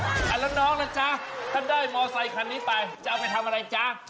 แล้วน้องล่ะจ๊ะถ้าได้มอไซคันนี้ไปจะเอาไปทำอะไรจ๊ะ